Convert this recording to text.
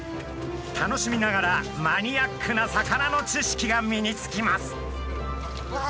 楽しみながらマニアックな魚の知識が身につきます。